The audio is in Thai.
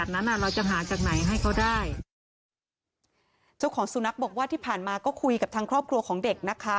เจ้าของสุนัขบอกว่าที่ผ่านมาก็คุยกับทางครอบครัวของเด็กนะคะ